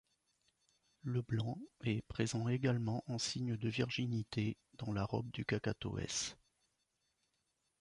Le blanc est présent également en signe de virginité dans la robe du cacatoès.